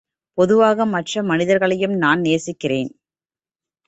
பொதுவாக மற்ற மனிதர்களையும் நான் நேசிக்கிறேன்.